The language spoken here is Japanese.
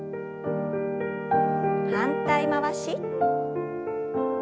反対回し。